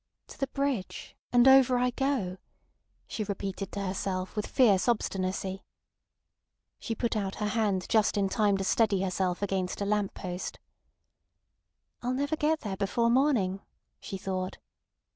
"To the bridge—and over I go," she repeated to herself with fierce obstinacy. She put out her hand just in time to steady herself against a lamp post. "I'll never get there before morning," she thought.